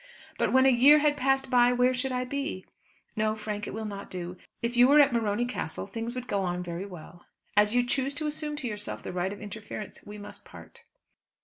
But when a year had passed by, where should I be? No, Frank, it will not do. If you were at Morony Castle things would go on very well. As you choose to assume to yourself the right of interference, we must part."